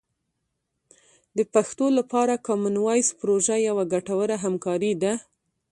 د پښتو لپاره کامن وایس پروژه یوه ګټوره همکاري ده.